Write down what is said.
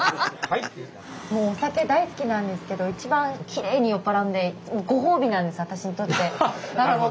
もうお酒大好きなんですけど一番きれいに酔っ払うんでアハッ！